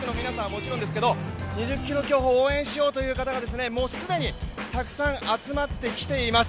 もちろんですけど２０ｋｍ競歩を応援しようと方々既にたくさん集まってきています。